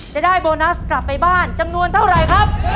จะได้โบนัสกลับไปบ้านจำนวนเท่าไหร่ครับ